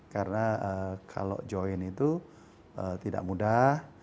karena kalau join itu tidak mudah